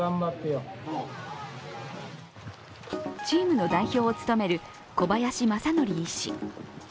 チームの代表を務める小林正宜医師。